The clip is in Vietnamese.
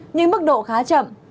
nhưng mức độ khá chậm